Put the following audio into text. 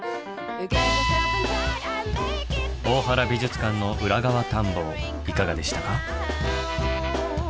大原美術館の裏側探訪いかがでしたか？